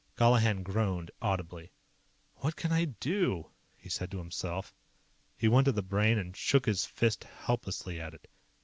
Colihan groaned audibly. "What can I do?" he said to himself. He went to the Brain and shook his fist helplessly at it.